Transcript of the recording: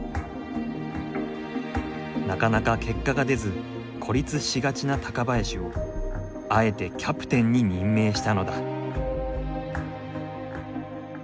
なかなか結果が出ず孤立しがちな高林をあえてキャプテンに任命したのだ。